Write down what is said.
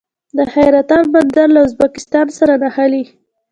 د حیرتان بندر له ازبکستان سره نښلي